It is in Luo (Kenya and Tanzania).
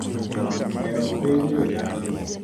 Ong'er ok pidhi e dala.